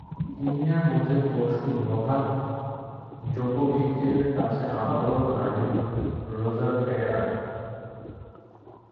তিন দিনের মধ্যে পরশু নোভাক জোকোভিচের কাছে আবারও হারলেন রজার ফেদেরার।